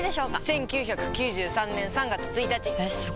１９９３年３月１日！えすご！